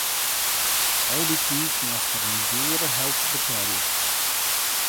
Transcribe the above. Al dy tiid moast er in djoere help betelje.